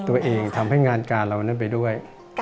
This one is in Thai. ตัวเองทำให้งานการเรานั้นไปด้วย